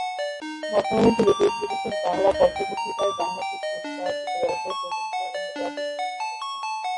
বর্তমানে তিনি দেশ-বিদেশের বাংলা পত্র-পত্রিকায় বাংলাতে কবিতা, ছোটগল্প, প্রবন্ধ, অনুবাদ ইত্যাদি লিখে যাচ্ছেন।